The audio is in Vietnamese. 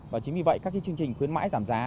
và chính vì vậy các cái chương trình khuyến mại giảm giá